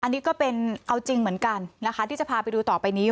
อันนี้ก็เป็นเอาจริงเหมือนกันนะคะที่จะพาไปดูต่อไปนี้